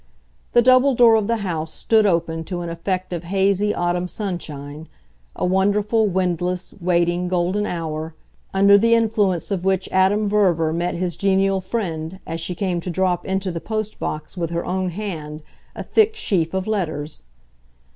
The double door of the house stood open to an effect of hazy autumn sunshine, a wonderful, windless, waiting, golden hour, under the influence of which Adam Verver met his genial friend as she came to drop into the post box with her own hand a thick sheaf of letters.